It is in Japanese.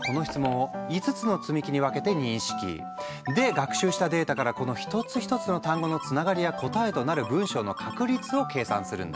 学習したデータからこの１つ１つの単語のつながりや答えとなる文章の確率を計算するんだ。